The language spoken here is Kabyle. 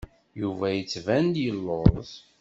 Yuba yettban-d yelluẓ.